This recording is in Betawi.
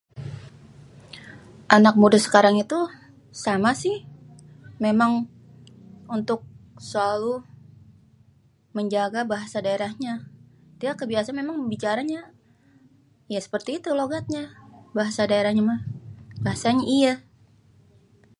Anak muda sekarang itu sama sih memang untuk selalu menjaga bahasa daerahnya. Dia emang kebiasaan memang bicaranya, ya seperti itu logatnya bahasa daerahnya mah. Bahasanya iye.